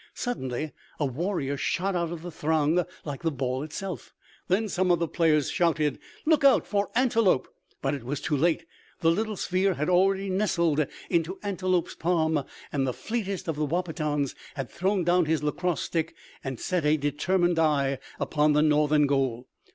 Suddenly a warrior shot out of the throng like the ball itself! Then some of the players shouted: "Look out for Antelope!" But it was too late. The little sphere had already nestled into Antelope's palm and that fleetest of Wahpetons had thrown down his lacrosse stick and set a determined eye upon the northern goal.